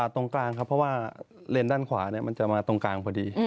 ตรงกลางครับเพราะว่าเลนส์ด้านขวามันจะมาตรงกลางพอดี